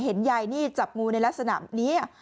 เห็นยายนี่จับงูในลักษณะนี้